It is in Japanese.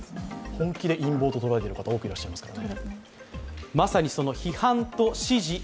本気で陰謀と捉えている方多くいらっしゃいますからね。